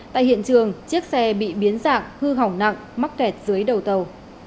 tại hiện trường chiếc xe bị biến dạng hư hỏng nặng mắc kẹt dưới đầu tàu